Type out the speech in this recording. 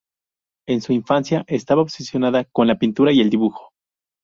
En su infancia estaba obsesionada con la pintura y el dibujo.